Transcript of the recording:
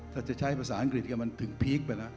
ถ้าจะใช้ภาษาอังกฤษกับมันถึงพีคไปนะ